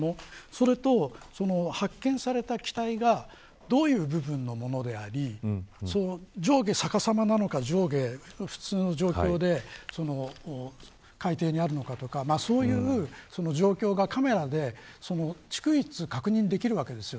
それと、発見された機体がどういう部分のものであり上下逆さまなのか上下、普通の状況で海底にあるのかとかそういう状況がカメラで逐一確認できるわけです。